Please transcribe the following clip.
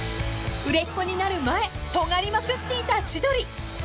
［売れっ子になる前とがりまくっていた千鳥］